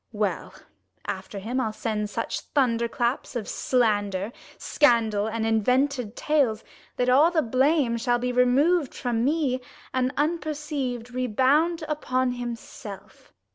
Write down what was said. Well, after him I'll send such thunderclap? Of slander, scandal, and invented tales, 40 That all the blame shall be remov'd from me, And unperceiv'd rebound upon himself.